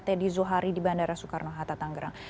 teddy zuhari di bandara soekarno hatta tanggerang